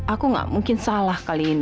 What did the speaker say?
aku gak mungkin salah kali ini